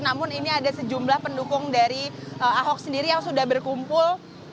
namun ini ada sejumlah pendukung dari ahok sendiri yang sudah berkumpul